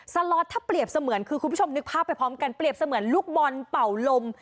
ล็อตถ้าเปรียบเสมือนคือคุณผู้ชมนึกภาพไปพร้อมกันเปรียบเสมือนลูกบอลเป่าลม